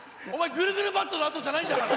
ぐるぐるバットのあとじゃないんだから。